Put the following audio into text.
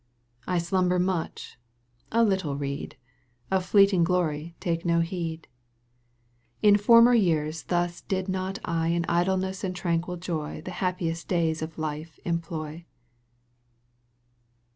I slumber much, a little read, Of fleeting glory take no heed. In former years thus did not I In idleness and tranquil joy The happiest days of life employ?